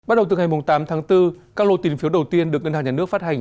bắt đầu từ ngày tám tháng bốn các lô tín phiếu đầu tiên được ngân hàng nhà nước phát hành